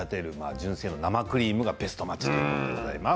純正の生クリームがベストマッチということでございます。